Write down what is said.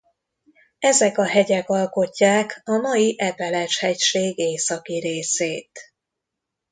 Ezek a hegyek alkotják a mai Appalache-hegység északi részét.